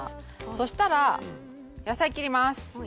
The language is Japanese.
そしたら野菜切りますはい。